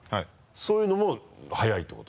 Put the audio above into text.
そういうのも早いってこと？